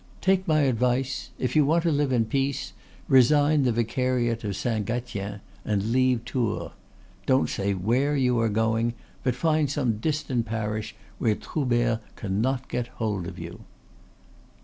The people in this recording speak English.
Take my advice; if you want to live in peace, resign the vicariat of Saint Gatien and leave Tours. Don't say where you are going, but find some distant parish where Troubert cannot get hold of you."